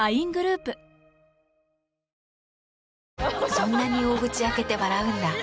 そんなに大口開けて笑うんだ。